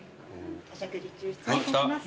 お食事中失礼いたします。